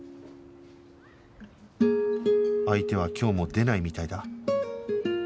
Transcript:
相手は今日も出ないみたいだ